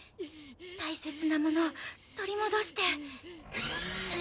大切なもの取り戻して！